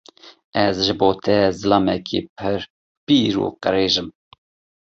Ez ji bo te zilamekî pir pîr û qirêj im?